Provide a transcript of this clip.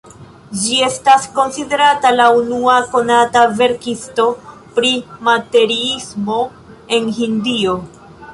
Ĝi estas konsiderata la unua konata verkisto pri materiismo en Hindio.